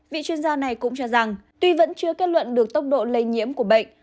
vị chuyên gia này cũng cho rằng tuy vẫn chưa kết luận được tốc độ lây nhiễm của bệnh